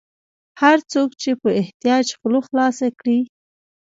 هر څوک چې په احتیاج خوله خلاصه کړي.